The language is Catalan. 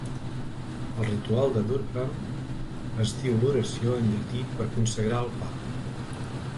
Al ritual de Durham, es diu l'oració en llatí per consagrar el pa.